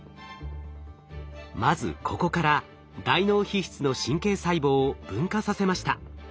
まずここから大脳皮質の神経細胞を分化させました。